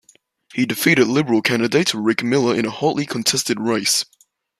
He defeated Liberal candidate Rick Miller in a hotly contested race.